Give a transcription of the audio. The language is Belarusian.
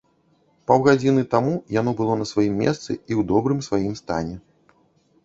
Паўгадзіны таму яно было на сваім месцы і ў добрым сваім стане.